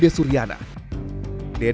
dede rela meninggalkan bangku sekolah